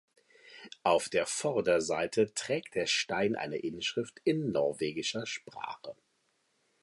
Auf der Vorderseite trägt der Stein eine Inschrift in norwegischer Sprache.